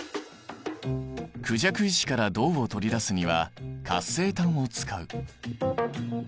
クジャク石から銅を取り出すには活性炭を使う。